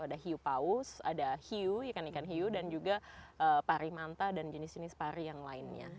ada hiu paus ada hiu ikan ikan hiu dan juga pari manta dan jenis jenis pari yang lainnya